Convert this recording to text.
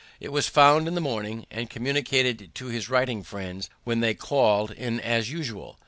It was found in the morning, and communicated to his writing friends when they call'd in as usual.